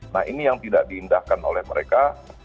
nah ini yang tidak diindahkan oleh mereka